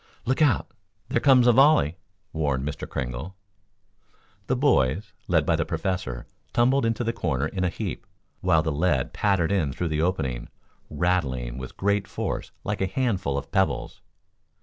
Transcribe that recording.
"Look out! There comes a volley!" warned Mr. Kringle. The boys, led by the Professor tumbled into the corner in a heap, while the lead pattered in through the opening, rattling with great force like a handful of pebbles.